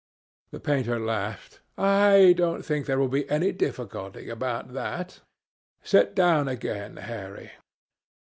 The painter laughed. "I don't think there will be any difficulty about that. Sit down again, Harry.